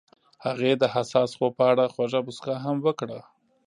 هغې د حساس خوب په اړه خوږه موسکا هم وکړه.